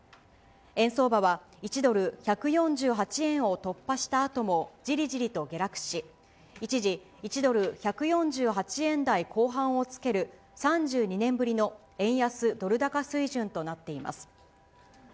円相場は１ドル１４８円を突破したあとも、じりじりと下落し、一時、１ドル１４８円台後半をつける、３２年ぶりの円安ドル高水準となっています。